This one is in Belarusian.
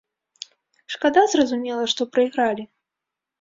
Шкада, зразумела, што прайгралі.